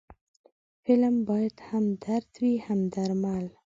فلم باید هم درد وي، هم درمل